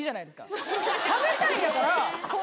食べたいんやから。